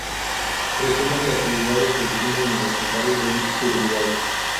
Resumen de actividades de Cine Universitario del Uruguay.